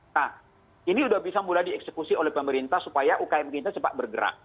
nah ini sudah bisa mulai dieksekusi oleh pemerintah supaya ukm kita cepat bergerak